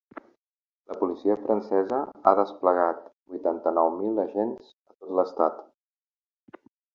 La policia francesa ha desplegat vuitanta-nou mil agents a tot l’estat.